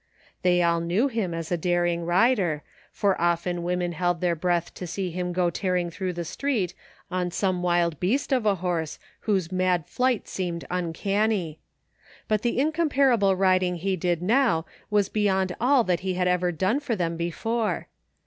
'Jliey all knew him as a daring rider, for often women held their breath to see him go tearing through the street on some wild beast of a horse whose mad flight seemed imcanny ; but the incomparable riding he did now was beyond all he had ever done for them before.